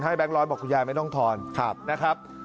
แบงค์ร้อยบอกคุณยายไม่ต้องทอนนะครับ